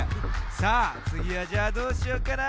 さあつぎはじゃあどうしようかな。